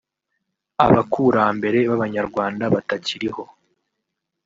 Abakurambere b’Abanyarwanda batakiriho